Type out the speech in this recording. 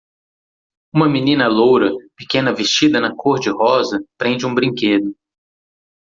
Uma menina loura pequena vestida na cor-de-rosa prende um brinquedo.